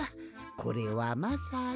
これはまさに」。